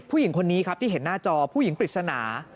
ผู้หญิงคนนี้ครับที่เห็นหน้าจอผู้หญิงปริศนา